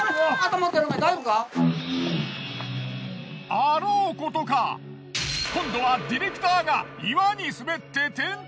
あろうことか今度はディレクターが岩に滑って転倒！